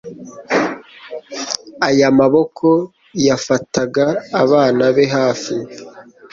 Aya maboko yafataga abana be hafi